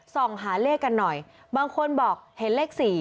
ส่องหาเลขกันหน่อยบางคนบอกเห็นเลข๔